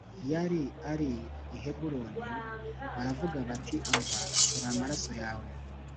Yari ari i Heburoni baravuga bati Umva turi amaraso yawe